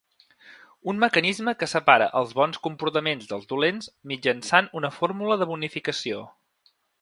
Un mecanisme que separa els bons comportaments dels dolents mitjançant una fórmula de bonificació.